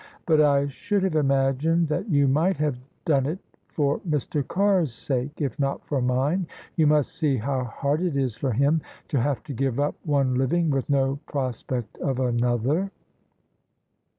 But I should have imagined that you might have done it for Mr. Carr's sake, if not for mine: you must see how hard it is for him to have to give up one living with no prospect of another."